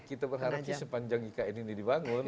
kita berharap sih sepanjang ikn ini dibangun